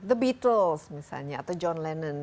the beatles misalnya atau john lennan